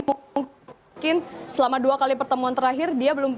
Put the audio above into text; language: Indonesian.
mungkin selama dua kali pertemuan terakhir